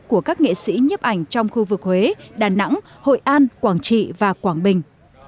của các nghệ sĩ nhấp ảnh trong khu vực huế đà nẵng hội an quảng trị và quảng bình